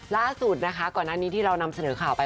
ล่าสุดนะคะก่อนหน้านี้ที่เรานำเสนอข่าวไป